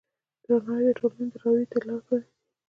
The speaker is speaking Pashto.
درناوی د ټولنې د راوي ته لاره پرانیزي.